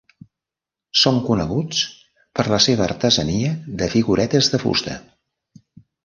Són coneguts per la seva artesania de figuretes de fusta.